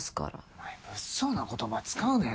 お前物騒な言葉使うなよ。